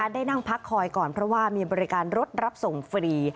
ได้นั่งพักคอยก่อนเพราะว่ามีบริการรถรับส่งฟรี